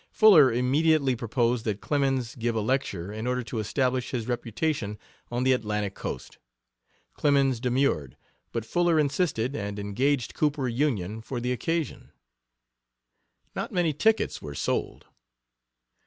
Fuller immediately proposed that Clemens give a lecture in order to establish his reputation on the Atlantic coast. Clemens demurred, but Fuller insisted, and engaged Cooper Union for the occasion. Not many tickets were sold.